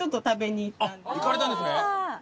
あっ行かれたんですね！